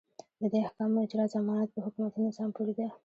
د دې احکامو اجرا ضمانت په حکومتي نظام پورې ده.